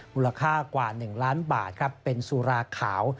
มูลค่ากว่า๑ล้านบาทครับเป็นสุราขาว